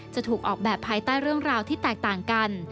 จะถูกออกแบบภายใต้เรื่องราวที่แตกต่างกัน